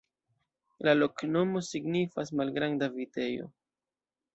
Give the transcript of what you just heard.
La loknomo signifas: malgranda vitejo.